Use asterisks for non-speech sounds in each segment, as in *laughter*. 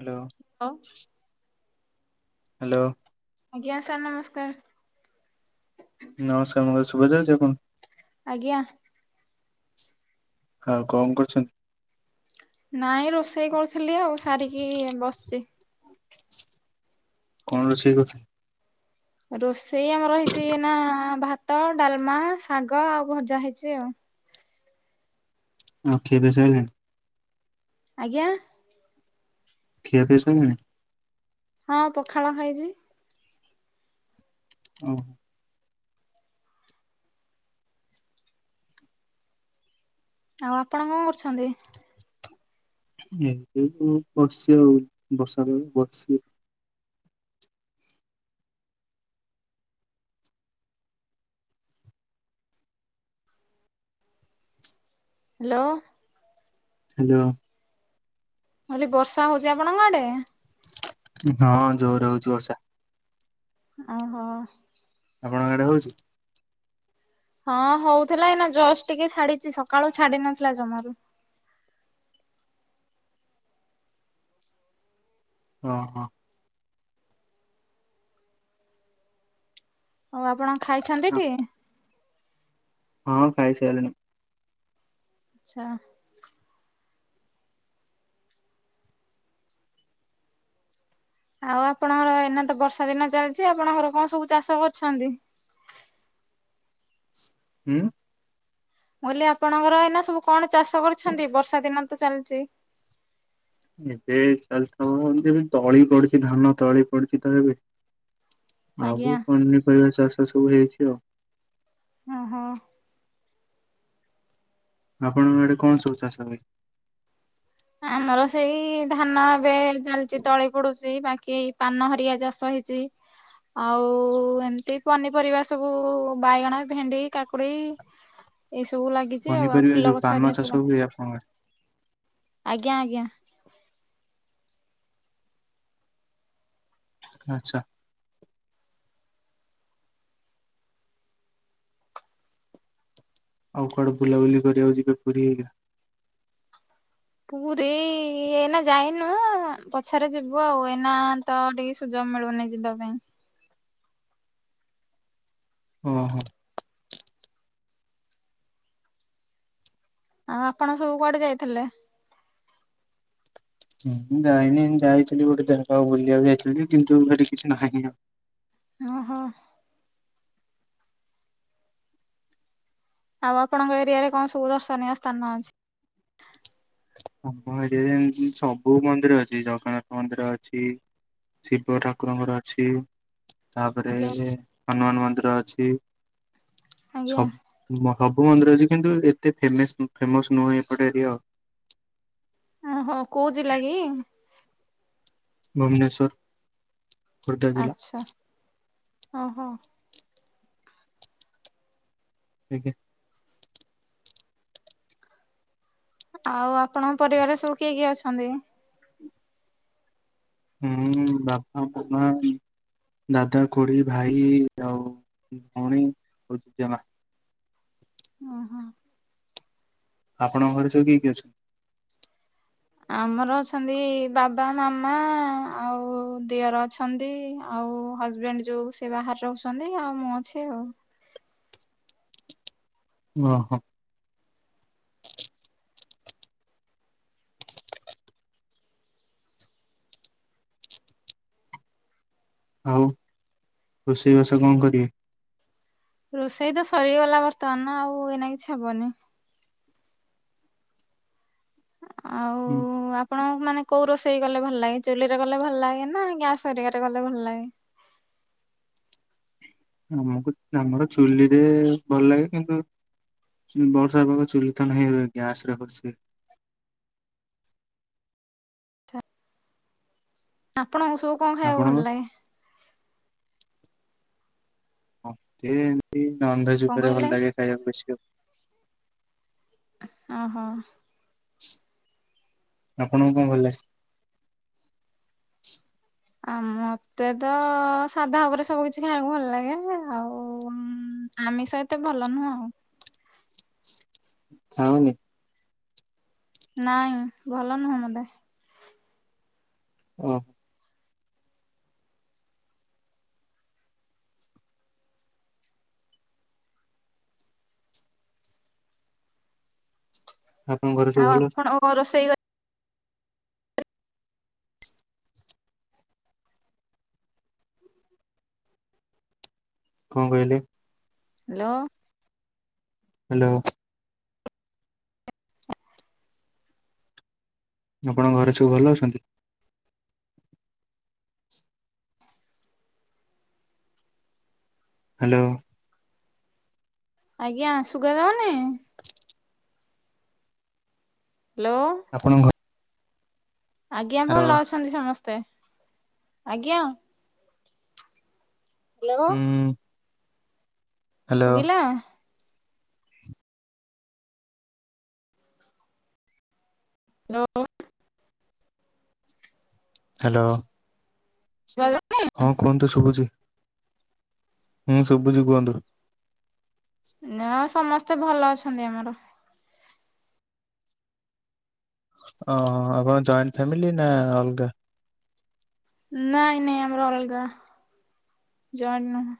Hello. ଆଉ। Hello. ଆଜ୍ଞା sir ନମସ୍କାର। ନମସ୍କାର ମୋର ଶୁଵାଯାଉଚି ଆପଣଙ୍କୁ! ଆଜ୍ଞା। ଆଉ କଣ କରୁଚନ୍ତି? ନାଇଁ ରୋଷେଇ କରୁଥିଲି ଆଉ ସାରିକି ଏ ବସଚି। କଣ ରୋଷଇ ଅଛି! ରୋଷେଇ ଆମର ହେଇଚି ଏଇନା ଭାତ, ଡାଲମା, ଶାଗ ଆଉ ଭଜା ହେଇଚି ଆଉ। ନାଁ ଖିଆ ପିଆ ସଇଲାଣି! ଆଜ୍ଞା। ଖିଆପିଆ ସଇଲାଣି! ହଁ ପଖାଳ ଖାଇଚି। ଅହ। ଆଉ ଆପଣ କଣ କରୁଛନ୍ତି! ନିଦକୁ ବସିଚି ଆଉ ବର୍ଷାବେଳ ବସଚି ଆଉ। ହ୍ୟାଲୋ। ହାଲୋ। କହିଲି ବର୍ଷା ହଉଚି ଆପଣଙ୍କ ଆଡେ! ଉଁ ହଁ ଜୋର ହଉଚି ବର୍ଷା। ଆହ। ଆପଣଙ୍କ ଆଡେ ହଉଚି। ହଁ ହଉଥିଲା ଏଇନା ଜଷ୍ଟ ଟିକେ ଛାଡିଚି, ସକାଳୁ ଛାଡି ନଥିଲା ଜମାରୁ। ଅହ। ଅ ଆପଣ ଖାଇଛନ୍ତିଟି! ହଁ ଖାଇସାରିଲିଣି। ଛାଆ। ଆଉ ଆପଣଙ୍କର ଏଇନାତ ବର୍ଷା ଦିନ ଚାଲିଚି! ଆପଣଙ୍କ ଘର କଣ ସବୁ ଚାଷ କରୁଛନ୍ତି! ହୁଁ। ମୁଁ କହିଲି ଆପଣଙ୍କର ଏଇନା ସବୁ କଣ ଚାଷ କରୁଛନ୍ତି ବର୍ଷା ଦିନ ତ ଚାଲିଛି। ଏବେ ଚାଲିଥବ ଯେ ତଳି ପଡିଛି ଧାନ ତଳି ପଡିଛି ତ ଏବେ। ଆଉ ଆଜ୍ଞା। ପନିପରିବା ଚାଷ ସବୁ ହେଇଛି ଆଉ। ଓହୋ। ଆପଣଙ୍କ ଆଡେ କଣ ସବୁ ଚାଷ ଭାଇ? ଆମର ସେଇ ଧାନ ଏବେ ଚାଲିଛି ତଳି ପୋଡୁଛି ବାକି ଧାନ ହରିିଆ ଚାଷ ହେଇଛି। ଆଉ ଏମିତି ପନିପରିବା ସବୁ ବାଇଗଣ ଭେଣ୍ଡି କାକୁଡି। *inaudible* ଏଇସବୁ ଲାଗିଚି। ପନିପରିବା ଯୋଉ ପାନ ଚାଷ ହୁଏ ଆପଣଙ୍କ ଆଡେ। ଆଜ୍ଞା ଆଜ୍ଞା। ଆଛା। ଆଉ କୁଆଡେ ବୁଲାବୁଲି କରିବାକୁ ଯିବେ ପୁରୀ ହେଇଗା। ପୁରୀ ଏଇନା ଯାଇନୁ ପଛରେ ଯିବୁ ଆଉ ଏଇନା ତ ଟିକେ ସୁଯୋଗ ମିଳୁନି ଯିବା ପାଇଁ। ହଁ ହଁ। ଆଉ ଆପଣ ସବୁ କୁଆଡେ ଯାଇଥିଲେ? ହୁଁ ମୁଁ ଯାଇନି ମୁ ଯାଇଥିଲି ଗୋଟେ ଜାଗା ଆଉ ବୁଲିବାକୁ ଯାଇଥିଲି କିନ୍ତୁ ସେଠି କିଛି ନାହିଁ ଆଉ। ଓହୋ। ଆଉ ଆପଣଙ୍କ ଏରିଆରେ କଣ ସବୁ ଦର୍ଶନୀୟ ସ୍ଥାନ ଅଛି? ଆମ ଏରିଆରେ ସବୁ ମନ୍ଦିର ଅଛି ଜଗନ୍ନାଥ ମନ୍ଦିର ଅଛି। ଶିବ ଠାକୁରଙ୍କର ଅଛି। ତାପରେ ଆଜ୍ଞା। ହନୁମାନ ମନ୍ଦିର ଅଛି ଆଜ୍ଞା ସବ ହବୁ ମନ୍ଦିର ଅଛି କିନ୍ତୁ ଏତେ ଫ ଫେମସ ନୁହେଁ ଏପଟେ ଏରିଆ ଆଉ। ଓହୋ କୋହୁ ଜିଲ୍ଲା କି? ଭୁବନେଶ୍ଵର। ଆଚ୍ଛା ଓହୋ। ଆଜ୍ଞା। ଆଉ ଆପଣଙ୍କ ପରିବାରରେ ସବୁ କିଏ କିଏ ଅଛନ୍ତି? ହୁଁ ବାପା ମାମା। ଦାଦା କୁଡ଼ି ଭାଇ ଆଉ ଭଉଣୀ ଆଉ ଦଜେ ମା। ଓହୋ। ଆପଣଙ୍କ ଘରେ ସବୁ କିଏ କି ଏ ଅଛନ୍ତି? ଆମର ଅଛନ୍ତି ବାବା ମାମା ଆଉ ଦିଅର ଅଛନ୍ତି। ଅଛନ୍ତି ଆଉ ହଜବେଣ୍ଡ ଯୋଉ ସେ ବାହାରେ ରହୁଛନ୍ତି ଆଉ ମୁଁ ଅଛି ଆଉ। ଓହୋ। ଆଉ ରୋଷେଇବାସ କଣ କରିବେ? ରୋଷେଇ ତ ସରିଗଲା ବର୍ତ୍ତମାନ ଆଉ ଏଇନା କିଛି ହବନି। ଆଉ ହୁଁ। ଆପଣ ମାନେ କୋଉ ରୋଷେଇ କଲେ ଭଲ ଲାଗେ ଚୁଲିରେ ଗଲେ ଭଲ ଲାଗେ ନା ଗ୍ୟାସ କରିକାରେ ଗଲେ ଭଲ ଲାଗେ। ଆମକୁ ଆମର ଚୁଲିରେ ଭଲ ଲାଗେ କିନ୍ତୁ ବର୍ଷା ପାଗ ଚୁଲିଥନ ହେଇବେ ଗ୍ୟାସ କରୁଛି। ଆପଣ ସୋ ଆପଣଙ୍କ *unintelligible* ହ ସେ ଇ ନନ୍ ଭେଜ କଣ ଉପରେ କହିଲେ? ଭଲ ଲାଗେ ଖାଇବାକୁ ବେଶିଆଉ। ଓହୋ। *inaudible* ଆପଣଙ୍କୁ କଣ ଭଲ ଲାଗେ? ଆ ମତେ ତ ସାଧା ଉପରେ ସବୁ କିଛି ଖାଇବାକୁ ଭଲ ଲାଗେ ଆଉ ଆମିଷ ଏତେ ଭଲ ନୁହଁ ଆଉ। ହଉନି। ନାଇଁ ଭଲ ନୁହଁ ମୋତେ। ଓହୋ। ଆପଣଙ୍କ ଘରେ ସବୁ ଆଉ ଭଲ ଅଛନ୍ତି ଆପଣ କ ରୋଷେଇ *unintelligible* କଣ କହିଲେ? ହ୍ୟାଲୋ। ହ୍ୟାଲୋ। ଦି ଆପଣଙ୍କ ଘରେ ସବୁ ଭଲ ଅଛନ୍ତି? ହ୍ୟାଲୋ। ଆଜ୍ଞା ଆସୁଗା ଗାଉନି। ହ୍ୟାଲୋ। ଆପଣଙ୍କ ଘର? ଆଜ୍ଞା ଭଲ ଅଛନ୍ତି ସମସ୍ତେ ଆଜ୍ଞା। ହ୍ୟାଲୋ। ହୁଁ ହ୍ୟାଲୋ ଶୁଖିଲା। Hello *unintelligible* hello. ଭ *unintelligible* ହଁ କୁହନ୍ତୁ ଶୁଭୁଛି। ନାହିଁ ସୁବୁଛି କୁହନ୍ତୁ। ନା ସମସ୍ତେ ଭଲ ଅଛନ୍ତି ଆମର। ଓହ ଆପଣ ଜଏଣ୍ଟ ଫ୍ୟାମିଲି ନା ଅଲଗା। ନାଇଁ ନାଇଁ ଆମର ଅଲଗା ଯଏଣ୍ଟ ନୁହଁ।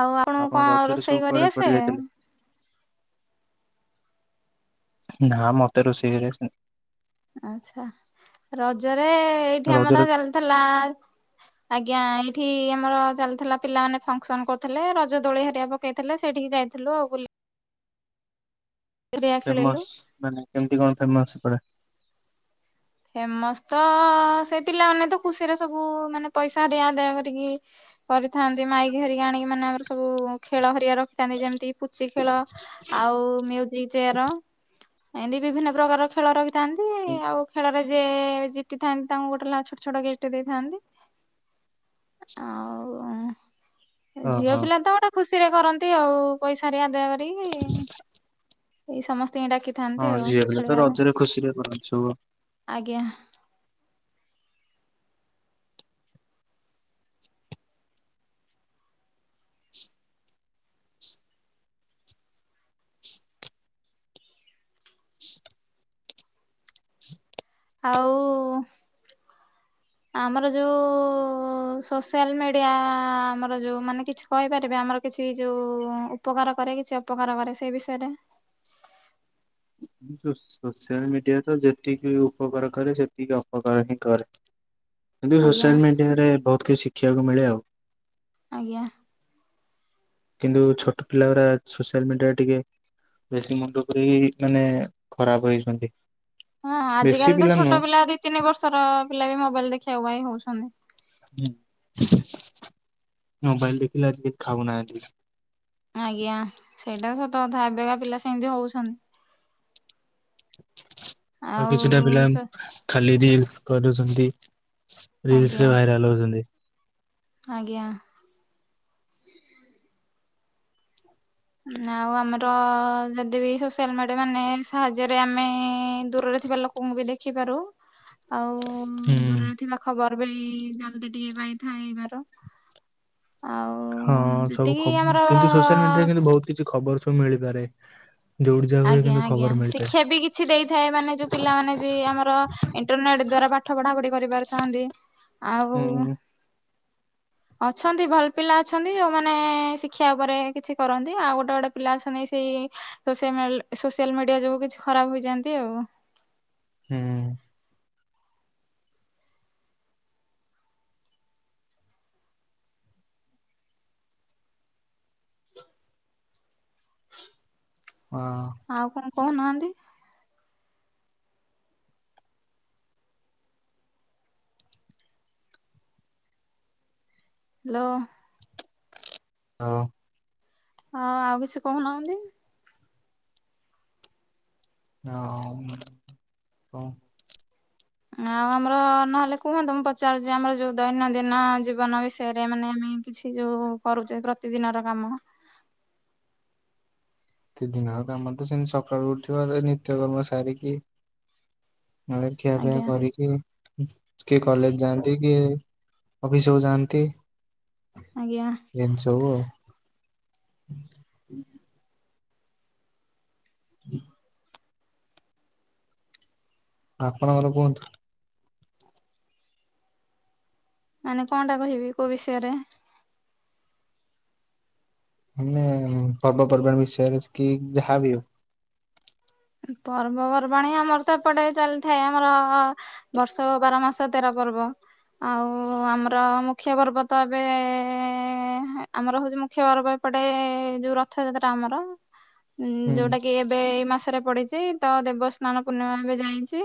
ଆଉ ଆପଣ କଣ ରଜରେ ସବୁ ରୋଷେଇ କରି କୁଆଡେ କୁଆଡେ ବତେ। ଯାଇଥିଲେ ନା ମତେ ରୋଷେଇ କରି ଆସେନି। ଆଛା ରଜରେ ଏଇଠି ଆମର ରଜରେ ଚାଲିଥିଲା ଆଜ୍ଞା ଏଇଠି ଆମର ଚାଲିଥିଲା ପିଲାମାନେ ଫଙ୍କସନ କରୁଥିଲେ ରଜ ଦୋଳି ସେଠି ହବ କେଥିଲା ସେଠିକି ଯାଇଥିଲୁ ବୁଲି ହେରିଆ ଖେଳିଲୁ ଫେମସ ମାନେ କେମତି କଣ ଫେମସ ସେପଟେ? ଫେମସ ତ ସେ ପିଲାମାନେ ତ ଖୁସିରେ ସବୁ ମାନେ ପଇସା ଆଦାୟ ଆଦୟ କରିକି। କରିଥାନ୍ତି ମାଇକିଘିରିଆ ଆଣିକି ମାନେ ଆମର ସବୁ ଖେଳ ହରଆ ରଖି ନ୍ତି ଯେମିତି ପୁଚି ଖେଳ ଆଉ ମିଉ ଜିକି ଚେୟାର ଏମିତି ବିଭିନ୍ନ ପ୍ରକାର ଖେଳ ରଖିଥାନ୍ତି ଆଉ ରେ ଜିତିଥାନ୍ତି ତାଙ୍କୁ ଗୋଟେ ଲା ଛୋଟ ଛୋଟ ଗିଫ୍ଟ ଦେଇଥାନ୍ତି। ଆଉ ଝିଅ ଓହୋ। ପିଲାତ ଗୋଟେ ଖୁସି ରେ କରନ୍ତି ଆଉ ପଇସା ଆଦାୟ କରିକି ଏଇ ସମସ୍ତ ଏଇଡାକି ହଁ ଝିଅ ପିଲା ତ ରଜରେ ଖୁସିରେ କରନ୍ତି ସବୁ। ଆଜ୍ଞା। ଆଉ-ଉ ଆମର ଯୋଉ-ଉ ସୋସିଆଲ ମିଡିଆ-ଆ ଆମର ଯୋଉ ମାନେ କିଛି କହିପାରିବେ ଆମର କିଛି ଯୋଉ-ଉ ଉପକାର କରେ କିଛି ଅପକାର କରେ ସେଇ ବିଷୟରେ? ସୋସିଆଲ ମିଡିଆ ତ ଯେତିକି ଉପକାର କରେ ସେତିକି ଅପକାର ହିଁ କରେ। କିନ୍ତୁ ଆଜ୍ଞା ସୋସିଆଲ ମିଡିଆରେ ବୋହୁତ କିଛି ଶିଖିବାକୁ ମିଳେ ଆଉ। ଆଜ୍ଞା। କିନ୍ତୁ ଛୋଟ ପିଲା ଗୁରା ସୋସିଆଲ ମିଡିଆରେ ଟିକେ ବେଶୀ ମୁଣ୍ଡ ପୁରେଇକି ମାନେ ଖରାପ ହେଇଛନ୍ତି। ହଁ ବେଶୀ ଆଜିକାଲି ତ ନୁହଁ ଛୋଟ ପିଲା ଦି ତିନି ବର୍ଷର ପିଲା ବି ମୋବାଇଲ ଦେଖିବାକୁ ବାଇ ହୋଉଛନ୍ତି। ମୋବାଇଲ ଦେଖିଲେ ଆଜିିକେ ଖାଉନାହାନ୍ତି। ଆଜ୍ଞା ସେଇଟା ସତ କଥା ଏବେକା ପିଲା ସେମିତି ହୋଉଛନ୍ତି। ଆଉ କିଛିଟା ପିଲା ଖାଲି ରିଲ୍ସ କରୁଛନ୍ତି ଆଜ୍ଞା ରିଲ୍ସରେ ଭାଇରାଲ ହୋଉଛନ୍ତି। ଆଜ୍ଞା। ନା ଆଉ ଆମର-ଅ ଯଦି ବି ସୋ ସେଲମେଟ ମାନେ ସାହାଯ୍ୟରେ ଆମେ-ଏଁ ଦୂରରେ ଥିବା ଲୋକଙ୍କୁ ବି ଦେଖିପାରୁ, ଆଉ ଉମ୍ ହୁଁ ଦୂରରେ ଥିବା ଖବର ବି-ଇ ଜଲ୍ଦି ଟିକେ ପାଇଥାଏ ଏବାର। ହଁ ସବୁ ଖ କିନ୍ତୁ ସୋସିଆଲ ମିଡିଆରେ କିନ୍ତୁ ବୋହୁତ କିଛି ଖବର ସବୁ ମିଳିପାରେ। ଯଉଡି ଯା ହୁଏ କିନ୍ତୁ ଖବର ମିଳିପାରେ। ଥି ଦେଇଥାଏ ମାନେ ଯୋଉ ପିଲାମାନେ ଯି ଆମର ଇଣ୍ଟରନେଟ ଦ୍ଵାରା ପାଠ ପଢା ପଢି କରିପାରିଥାନ୍ତି, ଆଉ ହୁଁ। ଅଛନ୍ତି ଭଲ ପିଲା ଅଛନ୍ତି ଯୋଉମାନେ-ଏ ଶିକ୍ଷା ଉପରେ କିଛି କରନ୍ତି, ଆଉ ଗୋଟେ ଗୋଟେ ପିଲା ଅଛନ୍ତି ସେଇ ସୋସିଆମିଲ ସୋସିଆଲ ମିଡିଆ ଯୋଗୁ କିଛି ଖରାପ ହୋଇଯାନ୍ତି ଆଉ। ହୁଁ ପାଁ ଆଉ କଣ କୋହୁନାହାନ୍ତି? ହ୍ଲୋ। ହ। ହଁ ଆଉ କିଛି କହୁନାହାନ୍ତି? ହଁ। ଆଉ ଆମର ନହେଲେ କୁହନ୍ତୁ ମୁଁ ପଚାରୁଚି ଆମର ଯୋଉ ଦୈନନ୍ଦିନ ଜୀବନ ବିଷୟରେ ଏ ମାନେ ଆମେ କିଛି ଯୋଉ କରୁଚେ ପ୍ରତିଦିନର କାମ କି ଦିନଟା ମତେ ସେମିତି ସକାଳୁ ଉଠିବା ନିତ୍ୟକର୍ମ ସାରିକି ନଲେ ଖିଆପିଆ ଆଜ୍ଞା କରିକି କିଏ କଲେଜ ଯାଆନ୍ତି କିଏ ଅଫିସବୁ ଯାଆନ୍ତି। ଆଜ୍ଞା। ଏମିତି ସବୁ ଆଉ ହୁଁ ଆପଣଙ୍କର କୁହନ୍ତୁ? ମାନେ କଁଟା କହିବି କୋଉ ବିଷୟରେ? ମାନେ ପର୍ବପର୍ବାଣି ବିଷୟରେ କି ଯାହାବି ହୋଉ। ପର୍ବପର୍ବାଣି ଆମର ତ ଏପଟେ ଚାଲିଥାଏ ଆମର-ଅ ବର୍ଷକ ବାର ମାସ ତେର ପର୍ବ। ଆଉ ଆମର ମୁଖ୍ୟ ପର୍ବ ତ ଏବେ ଏ ଏ ଆମର ହଉଛି ମୁଖ୍ୟ ପର୍ବ ଏପଟେ ଏ ଯୋଉ ରଥ ଯାତ୍ରା ଆମର ହୁଁ ଯୋଉଟା କି ଏବେ ଏଇ ମାସରେ ପଡିଛି ତ ଦେବସ୍ନାନ ପୂର୍ଣ୍ଣିମା ଏବେ ଯାଇଛି।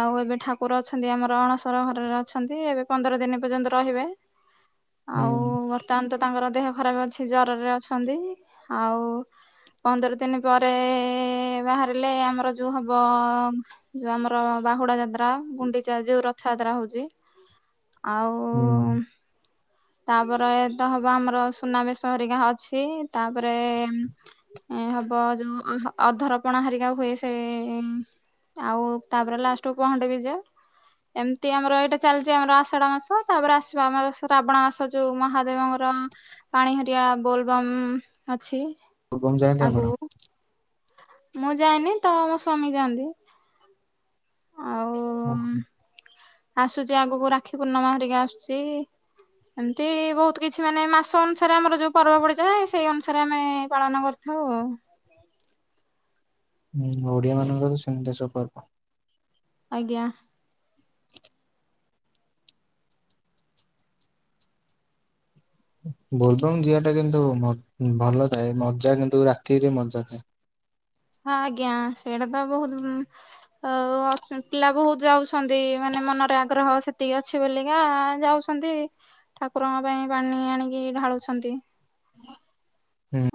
ଆଉ ଏବେ ଠାକୁର ଅଛନ୍ତି ଆମର ଅଣସର ଘରରେ ଅଛନ୍ତି ଏବେ ପନ୍ଦର ଦିନ ପର୍ଯ୍ୟନ୍ତ ରହିବେ। ହୁଁ ଆଉ ଉ ବର୍ତ୍ତମାନ ତ ତାଙ୍କର ଦେହ ଖରାପ ଅଛି ଜରରେ ଅଛନ୍ତି ଆଉ ପନ୍ଦର ଦିନ ପରେ ଇ ଇ ବାହାରିଲେ ଆମର ଯୋଉ ହବ ଯୋଉ ଆମର ବାହୁଡା ଯାତ୍ରା ଗୁଣ୍ଡିଚା ଯୋଉ ରଥ ଯାତ୍ରା ହଉଛି ଆଉ ହୁଁ ତାପରେ ତ ହବ ଆମର ସୁନାବେଶ ହେରିକା ଅଛି ତାପରେ ଏ ଏ ହବ ଯୋଉ ଅ ଅଧରପଣା ହାରିକା ହୁଏ ସେ ଏ ଆଉ ତାପରେ ଲାଷ୍ଟକୁୁ ପହଣ୍ଡି ବିଜେ ଏମିତି ଆମର ଏଇଟା ଚାଲିଚଛି ଆମର ଆଷାଢ ମାସ ତାପରେ ଆସିବା ଆମର ଶ୍ରାବଣ ମାସ। ସେ ଯଉ ମହାଦେବଙ୍କର ପାଣି ହେରିଆ ବୋଲବମ୍ ଅଛି। ବୋଲବମ୍ ଯାଆନ୍ତି ଆପଣ? ଆଗକୁ ମୁଁ ଯାଇନି ତ ମୋ ସ୍ଵାମୀ ଯାଆନ୍ତି। ଆଉ ହଁ ହଁ ଆସୁଛି ଆଗକୁ ରାକ୍ଷୀ ପୂର୍ଣ୍ଣମା ହେରିକା ଆସୁଛି। ଏମତି ବହୁତ କିଛି ମାନେ ମାସ ଅନୁସାରେ ଆମର ଯୋଉ ପର୍ବ ପଡିଥାଏ ସେଇ ଅନୁସାରେ ଆମେ ଏ ପାଳନ କରି ହଁ ହୁଁ ଓଡିଆ ମାନଙ୍କ ତ ସେମିତି ସବୁ ପର୍ଵ। ଆଜ୍ଞା। ବୋଲବଙ୍ଗ ଯିିବା ଟା କିନ୍ତୁ ଭଲ ଥାଏ ମଜା କିନ୍ତୁ ରାତିରେ ମଜା ଥାଏ। ହଁ ଆଜ୍ଞା ସେଇଟା ତ ବହୁତ ଆଉ ଅଛ ପିଲା ବହୁତ ଯାଉଛନ୍ତି ମାନେ ମନରେ ଆଗ୍ରହ ସେତିକି ଅଛି ବୋଲିକା ଯାଉ ଛନ୍ତି ଠାକୁରଙ୍କ ପାଇଁ ପାଣି ଆଣିକି ଢାଳୁଛନ୍ତି।